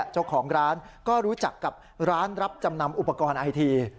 เจ้าของร้านก็รู้จักกับร้านรับจำนำอุปกรณ์ไอที